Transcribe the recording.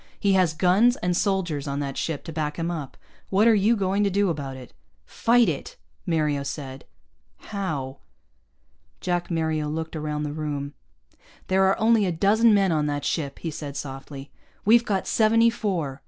He has guns and soldiers on that ship to back him up. What are you going to do about it?" "Fight it," Mario said. "How?" Jack Mario looked around the room. "There are only a dozen men on that ship," he said softly. "We've got seventy four.